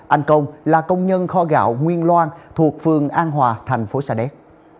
anh công là công nhân kho gạo nguyên loan thuộc phường an hòa thành phố sa đéc